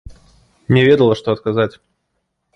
Не ведала, што адказаць.